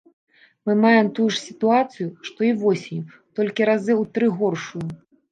Мы мае тую ж сітуацыю, што і восенню, толькі разы ў тры горшую.